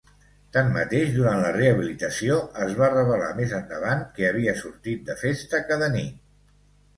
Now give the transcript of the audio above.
Tanmateix, durant la rehabilitació, es va revelar més endavant que havia sortit de festa cada nit.